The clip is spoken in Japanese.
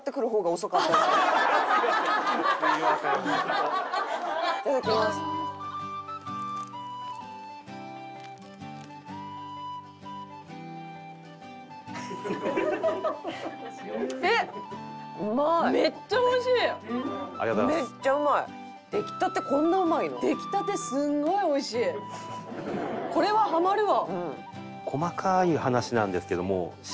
細かい話なんですけども。